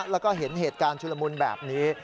แล้วก็เห็นเหตุการณ์ชุลมุนแบบนี้